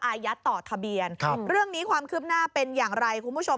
อายัดต่อทะเบียนครับเรื่องนี้ความคืบหน้าเป็นอย่างไรคุณผู้ชม